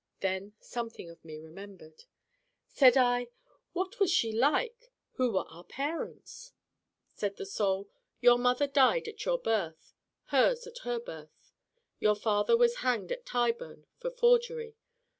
Then something of me remembered. Said I: 'What was she like? Who were our parents?' Said the Soul: 'Your mother died at your birth, hers at her birth. Your father was hanged at Tyburn for forgery.